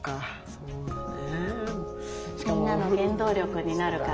そうだね。